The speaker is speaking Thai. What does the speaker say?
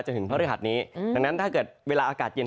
ถึงพระฤหัสนี้ดังนั้นถ้าเกิดเวลาอากาศเย็น